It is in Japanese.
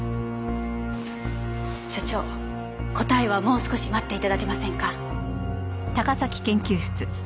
所長答えはもう少し待って頂けませんか？